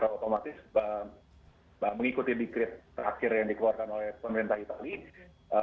otomatis mengikuti dekret terakhir yang dikeluarkan oleh pemerintah italia